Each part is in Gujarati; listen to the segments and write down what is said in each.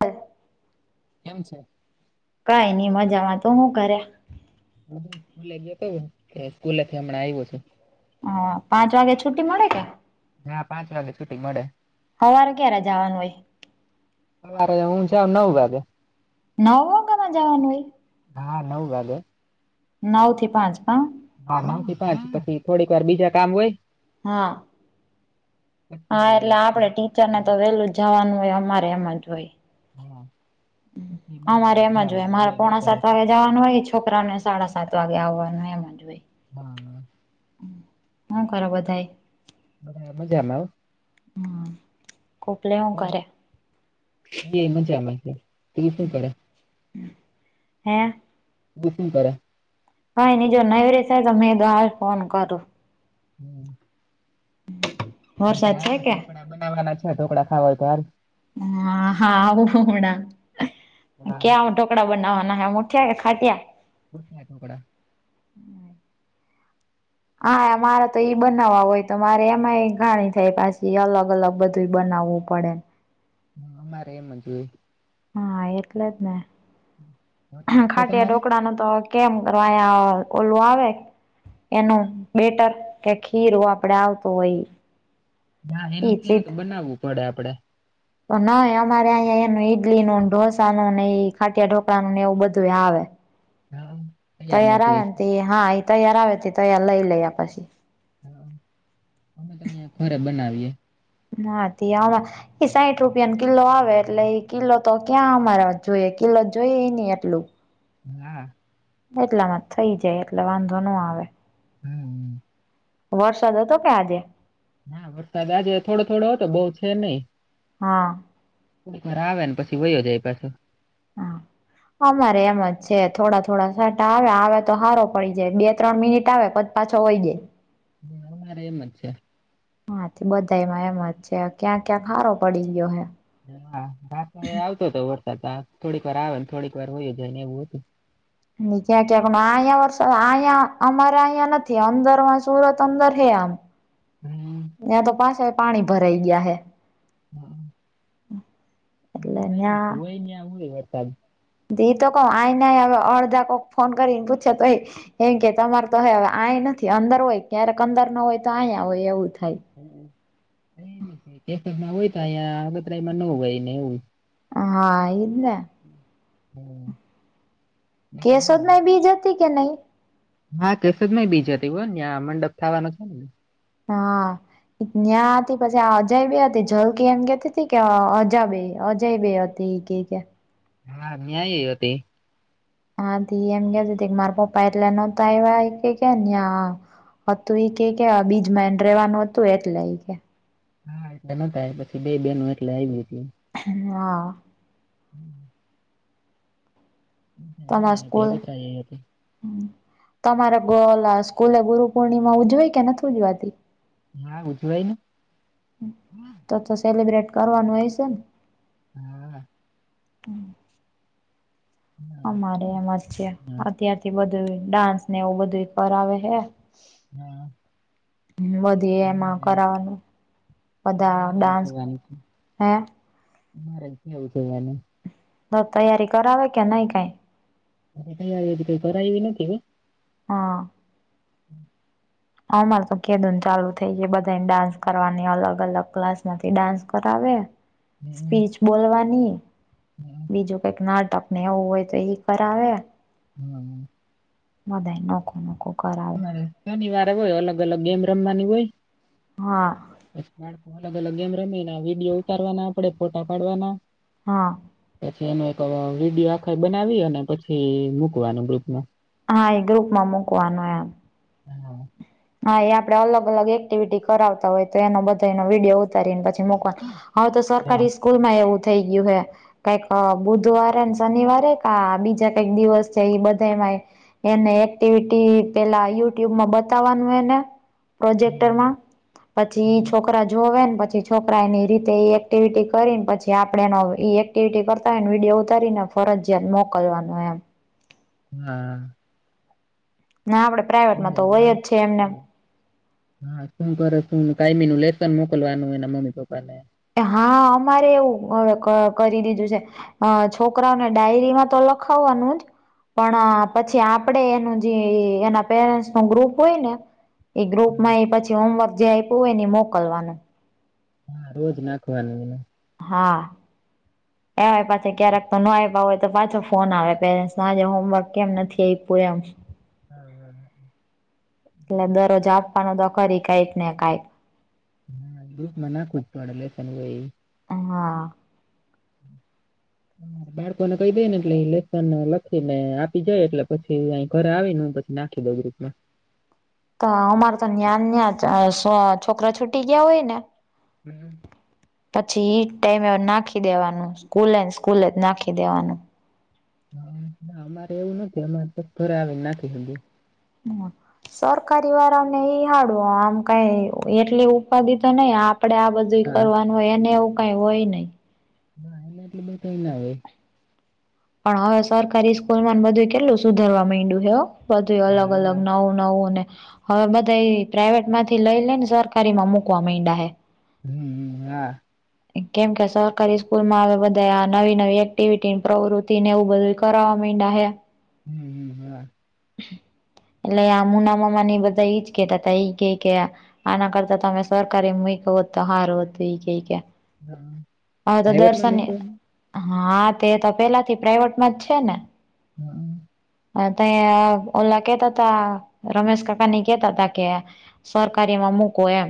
હ કેમ છે. કઈ નઈ મજામાં તો હું કર્યા. હ સ્કૂલે ગયોતો કે સ્કૂલેથી હમણા આવ્યો છું. હ પાંચ વાગે છુ્ટટી મળે કે હા પાંચ વાગે છુટી મળે. હવારે ક્યારે જવાનું હોય. સવારે હું છે નવ વાગે. નવ હો કેમાં જવાનું એ દા નવ વાગે. નવ થી પાંચ પા હા નવ થી પાંચ પછી થોડીક વાર બીજા કામ હોય. હા હા પછી એટલે આપડે ટીચર ને તો વેલું જવાનું હોય અમારે એમ જ હોય. હમ [unintelligible] હ મારે એમ જ હોય મારે પોણા સાત વાગે જવાનું હોય છે. છોકરાને સાડા સાત વાગે આવવાનું એમ જ હોય. હા. હા કર બધાય બધા મજામાં. હમ કોકલે હ હો. કર્યા. એ એમ જ આ છે ત શું કરે હે બુસી કર ભાઈ ની જો નહી રસ તો મેં ફોન કરો. હમ [unintelligible] વરસાદ છે ને કે ઢોકડા બનાવવાના છે ઢોકળા ખાવાય તોયાર હ હા આવું હમણા ક્યાં આવટો. કકડા બનાવવાના હ મુઠિયા ખાટિયા કુછસા ટોકડા હા મારે તો ઈ બનાવવા હોય તો મારે એમાંય ઘાણી થાય પછી અલગ અલગ બધ. તો બનાવવું પડે હા અમારે એમ જ હોય. હા એટલે જ ને વરસાદ છે ખાટિયા તમારે ઢોકળા ન તો કેમ કરવાયા ઓલું આવે એનું બેટર કે ખીર આપડે આવતું હોય. નાા ઈ એનું ચીજ કેવ બનાવવું પડે આપડે તો નહી અમારે અહીંયા એનું ઈડલી ન ઢોસા નું નને ખાટિયા ઢોકળાનું ને એવું બધું આવે. હા. તૈયાર મળતું આવે હોય ને ત હા એ તૈયાર આવે ત તૈયાર લઈ લે પછી. હા અમે તો અહિયાં ખરે બનાવીએ. [unintelligible] આવા એ સાઈઠ રૂપિયા ન કિલો આવે એટલે એ કિલો તો ક્યાં અમારા જોઈએ કિલો જોઈએ નહી એટલું. હમ એટલામાં થઇ જાય એટલે વાંધો ન આવે હમ હમ વરસાદ હતો કે આજે હા વરસાદ આજે થોડો થોડો હતો બઉ છે નહી. હા થ મારે આવે ને પછી વયયો જાય પાછો. હા અમારે એમ જ છે થોડા થોડા સટા આવે આવે તો હારો પડી જાય બે ત્રણ મિનિટ આવે. પાછો હોય ગ અરે એમ જ છે. હા તે બધામાં એમ જ છે ક્યાં ક્યાં હારો પડી ગયો હે [unintelligible] રા આવતો હતો વરસાદ થોડીક વાર આવે ને થોડીક વાર હોય જાય ને એવું હતું. ક્યાં ક્યાંક અહીંયા વરસાદ અહીયા અમારે અહીંયા નથી અંદરમાં સુરત અંદર હે આમ. હા હમ ત્યાં તો પાછા પાણી ભરાઈ ગયા હે હા ના એટલે ના એ જોય ને આય વરસાદ. દી તો ક આઈ ન હવે અડધા કોક ફોન કરીને પૂછે તોય. એમ કે તમારે તો હવે આઈ નથી અંદર હોય ક્યારેક અંદર ન હોય તો અહીયા હોય એવું થાય. કેમાં હોય અ આગતરામાં ન હોયને એવું. હા એ હમ. કેસોદ ન બીજ હતી કે નહી. હા કેસદ ય બીજા હતી હોય ને્યાં મંડપ થવાનો છે ને. હા. ત્યાં હતી પછી આ અજયબી હતી જલકી એમ કેતી હતી કે અજયબે અજયબે હતી. તે ઇ ગ કે. હા ન્યાય એ હતી. [unintelligible] એમ ગતી માર પપ એટલે ન તો એ કે કે હતું કે કે બીજમાંન રેવાનું હતું એટલે કે હા એ ન થાય પછી બે બેન એટલે આવી ગ હ હા. હમ. હતી બ હતી. તમારે [unintelligible] સ્કૂલે ગુરુ પૂર્ણિમા ઉજવા કે નથી ઉજવાતી. હા ઉછુંવાય ને. તો તો સેલિબ્રેટ કરવાનું હોય છે ને. હમ. હ. અમારે એમ જ છે અત્યારથી બધું ડાન્સ ને એવું બધું કરાવે હે. હા. હ વધી એમાં અમારે કરવાનું. બધા અમારે ડાન્સ હે. મારે આવવું છેને. તો તૈયારી કરાવે કે નહી કઈ. તૈયારી હજી કઈ કરવી નથી હ. હા. અમારે તો કેદું ને ચાલુ થઈ ગ બધાને ડાન્સ કરવાની અલગ અલગ ક્લાસ માંથી ડાન્સ કરાવે. હમ, સ્પીચ બોલવાની. હમ. બીજું કઈક નાટક ને એવું હોય તો એ કરાવે. હમ બધાય નોખું નોખું કરાવે. રે. શનિવારે હોય અલગ અલગ ગેમ રમવાની હોય. હા. બાળ અલગ અલગ ગેમ રમીને વિડીયો ઉતારવાના આપડે ફોટા પાડવાના. હા. પછી એનો એક વિડીયો આખા બનાવી અને પછી મૂકવાનું ગૃપમાં. હા એ ગ્રુપમાં મુૂકવાનો એમ. હા. હા એ આપણે અલગ અલગ એક્ટિવિટી કરાવતા હોય તો એનો બધા એનો વિડીયો. તરીને પછી મોકવાનું હવે તો હા. સરકારી સ્કૂલ માં એવું થઈ ગયું હે. કઈક બુધવારેને શનિવારે કા બીજા કઈક દિવસ છે એઈ બધામાંય. એને એક્ટિવિટી પેલા યુટ્યુબમાં બત. ઉતારવાનુંને પ્રોજેક્ટરમાં પછી છોકરા જોવેને પછી. છોકરાની રીતે એ એક્ટિવિટી કરીને પછી આપણેનો એક્ટિવિટી કરતા હોય ને વિડીયો ઉતારીને. ફરજિયાત મોકલવાનું એમ. હમ. ના આપડણે પ્રાાઈવેટમાં તો હોય બરાબર. જ છે એમનેમ. હા શું કરું કાયમી નું લેસન મોકલવાનું એના મમ્મી પપ્પા ને. હા અમારે એવું હવે ક કરી દીધું છે. અ છોકરાઓને ડાયરીમાં તો લખાવવાનું જ. પણ પછી આપડે એનું જે એના પેરેન્ટ્સ નો ગ્રુપ હોય ને. એ ગ્રુપ માં એ પછી હોમવર્ક જે આપ્યું હોય ને એ મોકલવાનું. હા રોજ નાખવાનું મને હા એય પાછી ક્યારેક તો નો આવ્યા હોય તો પાછો ફોન આવે પેરેન્ટ્સ આજે હોમવર્ક કેમ નથી આવીપ્યું એમ હા હા એટલે દરરોજ આપવાનો તો કરી કઈક ને કાઈક હા ગ્રુપમાં નાખવું પડે લેસન હોય એ. હા. બાળકોને કઈ દે ને એટલે લેસન લખી ને આપી જાય એટલે પછી અ ઘરે આવીને પછ. નાખી દ ગૃપમાં. તો અમારે તો જ્ઞાન્યાં છોકરા છૂટી ગયા હોય ને. હમ. પછી એઈ ટાઈમે એ નાખી દેવાનું સ્કૂલે સ્કૂલે જ નાખી દેવાનું ના અમારે એવું નથી અમારે તો ઘરે આવી નાખી સુધી હ સરકારી વાળાને એઈ હાડવ આમ કઈ એટલી ઉપાધિ તો નહી આપ આપણેે આ બધું કરવાનું હોય એને એવું કઈ હોય નહ નાલે એટલે બ કઈ ના આવે પણ હવે સરકારી સ્કૂલ માં બધું કેટલું સુધરવા માંડ્યું હ બધું અલગ અલગ હા નવું નવું ને હવે બધા એ પ્રાાઈવેટ માંથી લઈ લે ને સરકારી માં મુકવા માંડા હે હમ હા કેમ કે સરકારી સ્કૂલ માં આવે બધા આ નવી નવી એક્ટિવિટી પ્રવૃતિ ને એવું બધું કરાવવા માંડડા હૈ હમ હમ હમ એટલે આ મુના મામા બધા ઈજ કેતા હતા એઈ કે કે આના કરતા તમે સરકારી એ મ ક તો સારું હતું એ કે કે હા હવે તો ભાઈવટના મ દર્શને તો હા તે તો પેલા થી પ્રાઈવેટમાં જ છે ને હા અ ત ઓલા કેતા તા રમેશ કાકાની કેતા તા કે સરકારીમાં મૂકો એમ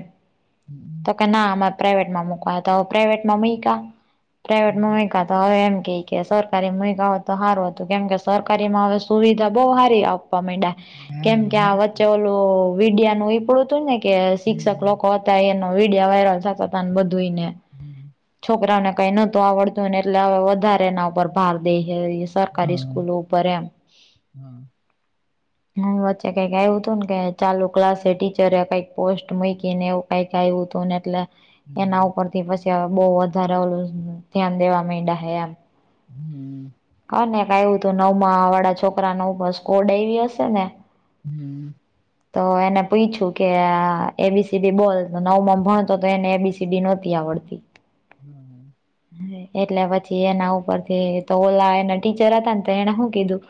હમ તો કે ના અરે પ્રાાઈવેટમાં મુક હતા પ્રાાઈવેટમાં મકા હા પ્રાાઈવેટમાં મકા તો હવે એમ કે કે સરકારી માવ તો સારું હતું કેમ કે સરકારી માં હવે સુવિધા બહ સારી આપવા માંડ્યા કેમકે હા આ વચ્ચે ઓલું વિડિયા નું એ પડું હતું ને કે શિક્ષક હમ લોકો હતા એનો વિડિયા વાયરલ થતા હતા ને બધુંને હમ છોકરાઓ ને કઈ નહત આવડતુંને એટલે હવે વધારે એના ઉપર ભાર દે સરકારી સ્કૂલો ઉપર એમ હા હ હ વચ્ચે કઈક આવું હતું ને કે ચાલુ ક્લાસ ટીચરે કઈક પોસ્ટ મકીને એવું કઈ કઈ ઉતવનેલા એના ઉપર થી પછી બહ વધારે ઓલું ધ્યાન દેવા ્યા હે એમ હમ હ ને ક એું હતું નવમાં વાળા છોકરા નર સ્કોડવી હશે ને હમ તો એને પૂછું કે એબીસીડી બોલ નવમાં ભણતો તો એને એબીસીડી નહોતી આવડતી [inaudible] હમ હ એટલે પછી એના ઉપરથી ઓલા એના ટીચર હતા ને તો એને શું કીધું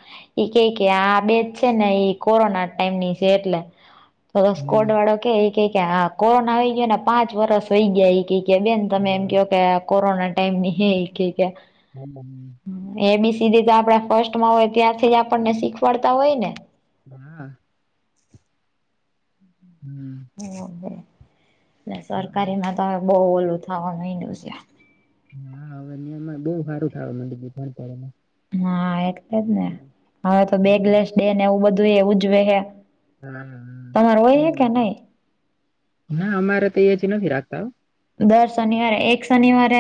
એ કે કે આ બેજ છે ને કોરોના ટાઈમ ની એટલે સ્કોડ હમ વાળો ક હા કોરોના આવીઈ ગયો ને પાંચ વરષ હોઈ ગયા એ કય બેને તમે એમ કહ કે કોરોના ટાઈમ ની હિ એ કેયકે હમબ એ બીસી તો આપડ ફર્સ્ટ માં હોય ત્યાંથી જ આપણને શીખવાડતા હોય ને. હા હમ ઓ બે સરકારીમાં તો હવે બહુ ઓલું થવા નઈ છે હા હવે નિ બહુ સારું થ નં પાડેમાં હા એટલે જ ને હવે તો બેગલેસ દેને એવું બધું એ ઉજવે હે હવાર તમારે હોય હે કે નહી ના અમારે તો એ જ નથી રાખતા દર શનિવારે એક શનિવારે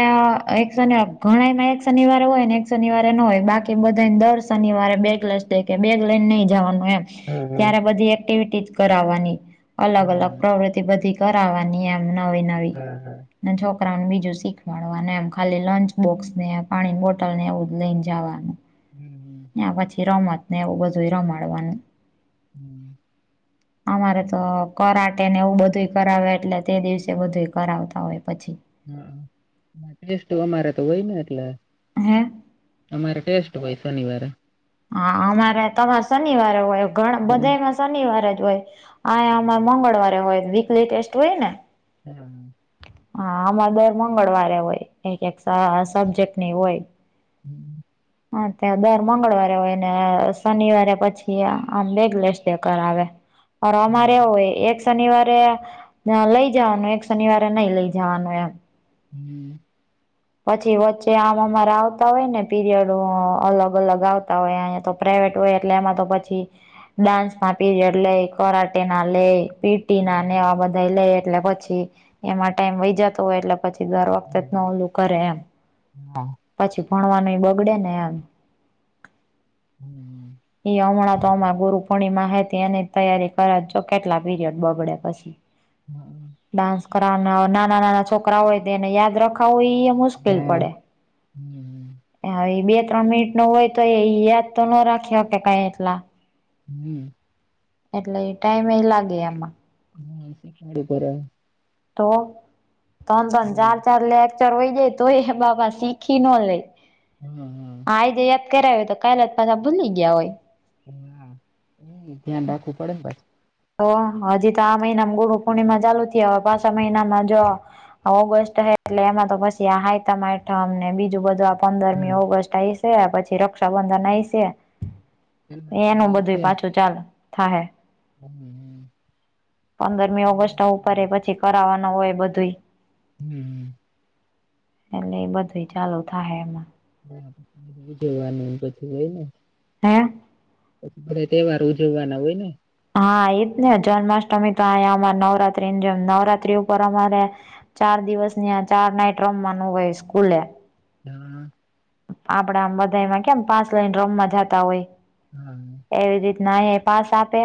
એક શનિવારે ઘણા એમાં એક શનિવારે હોય ને શનિવારે ન હોય બાકી બધાને દર શનિવારે બેગ લસ દે કે બેગ લઈને નહી જવાનું એમ હો હા ત્યારે બધી એક્ટિવિટી કરાવવાની અલગ હા અલગ પ્રવૃતિ બધી કરવાની એમ નવી નવી [unintelligible] ને છોકરાઓને બીજું શીખવાડવાને એમ ખાલી લંચ બોક્સ ને પાણી બોટલ ને એવું લઈને જવાનું હમ્મ હમ્મ પછી રમત ને એવું બધું રમાડવાનું [unintelligible] અમારે તો કરાટે ને એવું બધું કરાવે એટલે તે દિવસે બધું કરાવતા હવે પછી હ ટેસ્ટ અમારે તો હોય ને એટલે હે અમારે ટેસ્ટ એ પહિ શનનીવારે હા અમારે તમારે શનિવારે હોય ઘ હમ. બધા ના શનિવારે જ હોય આ અ મંગળવારે હોય વીકલી ટેસ્ટ હોય ને. હ. હા આમાં દર મંગળવારે હોય એક એક સબ્જેક્ટ ની હોય હમ્મ હા ત્યાં દર મંગળવારે હોય ને શનિવારે પછી આમ બેગલેસ દે કરઆવે અ હા અમારે હોય એક શનિવારે લઈ જવાનું એક શનિવારે નહી લઈ જવાનું એમ હમ્મ પછી વચ્ચે આમમાંરા આવતા હોય ને પીરિયડ અલગ અલગ આવતા હોય અયા તો પ્રઇવેટ હોય એટલે એમાં તો પછી ડાન્સમાં પીરયડ લે કરટેના લેય પી ટી ના હા ને હા આવા બધા લે એટલે પછી એમાં ટાઈમ વહી જતો હોય એટલે પછી દર વખતે જ હમ ન ઓલું કરે એમ હા પછી ભણવાનું એ બગડે ને એમ હમ્મ એ હમણાં તો અમા ગુરુ પૂર્ણિમા હતી એની તૈારી કરજો કેટલા પીરિયડ બગડે પછી હમ ડાન્સ કરવાના નાના નાના છોકરા હોય તે એને યાદ રખાવું હોઈ [unintelligible] હ એ બે ત્રણ મિનિટ નો હોય તો એ યાદ તો ન રાખ્યો કે કઈ એટલા હમ્મ એટલે ટાઈમ એ લાગે આમાં હા શીખડ કર તો ત્રણ ત્રણ હમ ચાર ચાર લેકચર હોય જાય તો એ બાપા શીખી ન લેય હમ્મ હમ્મ હા આઈજે યાદ કરાવ તો કાલે જ પાછા ભૂલી ગયા હોય. હા ધ્યાન રાખવું પડે ને પછ તો હજી તો આ મહિનામાં ગુરુ પૂર્ણિમા ચાલુ થ હવે પાછા મહિનામાં જો ઓગસ્ટ હ એટલે એમાં તો પછી આ હાયતાઠમને બીજું બધું પંદરમી હા. ઓગસ્ટ આઇશે પછી ર રક્ષાબંધન આઇ સે એનું જન્માષ્ટમી બધું પાછું ચાલુ થાય. હમ હમ. પંદરમી ઓગસ્ટ ઉપર હા. પછી કરાવવાનું હોય બધું. હમ્મ એટલે એ બધું ચાલુ થાય એમાં. હા જોવાનું એ તોછ હોય ને હ્યાં તહેવાર ઉજવવાના હોય ને. હા એજ ને જન્માષ્ટમી તો અયા અ નવરાત્રીની જેમ નવરાત્રી ઉપર અમારે ચાર દિવસ ની ચાર નાઈટ રમવાનું હોય સ્કૂલે. હા. આપડા આમ બધા એમાં કેમ પાસ લાઈન રોમવા જાતા હોય. હા. એવી રીતના અહી પાસ આપે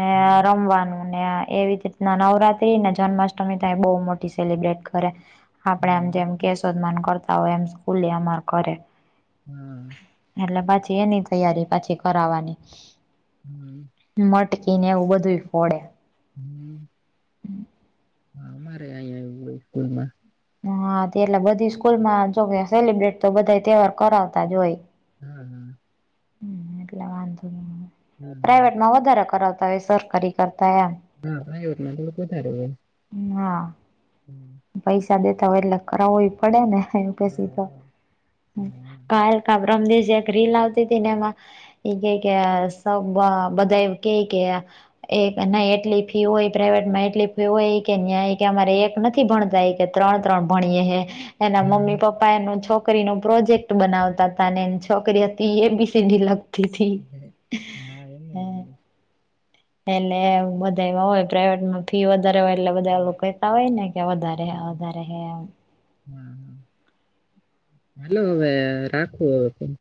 ને હમ. રમવાનું ને એવી નવ નવરાત્રી ને જન્માષ્ટમી તે બહુ મોટી સેલિબ્રેટ કરે. આપડે આમ હા, જેમ કેશોદમા કરતા હોય એમ સ્કૂલે અમાર કરે. હમ. એટલે પછી એની તૈયારી પછી કરાવાની. હમ. મટકી ને એવું બધું ફોડે. હમ હા મારે અહીં આવું હોય સ્કૂલમાં. હા તે એટલે બધી સ્કૂલ માં જોકે સેલિબ્રેટ તો બધા તહેવાર કરાવતા જ હોય. હા હા. એટલે વાંધો ન‌ઇ હા. પ્રાઈવેટ માં વધારે કરાવતા હોય સર. કરી કરતા યા હા ભયોત [inaudible] તોડું ક થારું હા. હમ. [unintelligible] પૈસા દેતા હોય એટલે કરાવો પડે ને એ હા, પસી તો હા, હા, ક હમ. કા પરમ દી એક રીલ આવતી હતી ને એમાં. એ ક કે સ બધા ક કે એક ના એટલી ફી હોય પ્રાાઈવેટ માં એટલી ફી હોય કે ન્યાય કે અમારે એક નથી. ભણતા કે ત્રણ ત્રણ ભણીએ હ એના મમ્મી પપ્પા પપ્પા એ છોકરીનો પ્રોજેક્ટ બનાવતા હતા અને છોકરી હતી એબીસીડી લ લખતી થી. હમ. હા, એમ જ હોય. એને બધા એવા હોય પ્રાઈવેટમાં ફી વધારે હોય એટલે બધા હમ, એવું કેતા હોય ને કે વધારે હમ. હમ. વધારે હમ. હા હાલો હવે રાખુ હવે ફોન.